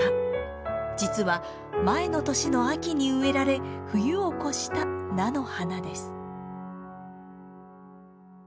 実は前の年の秋に植えられ冬を越した菜の花です。